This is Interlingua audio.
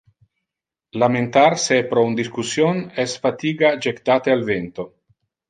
Lamentar se pro un discussion, es fatiga jectate al vento.